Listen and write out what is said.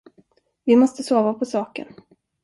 Vi måste sova på saken.